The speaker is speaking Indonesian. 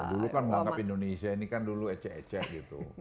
dulu kan menganggap indonesia ini kan dulu ecek ecek gitu